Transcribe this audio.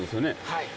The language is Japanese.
はい。